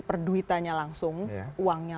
perduitanya langsung uangnya